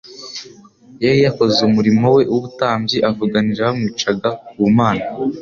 Yari yakoze umurimo we w'ubutambyi avuganira abamwicaga ku Mana.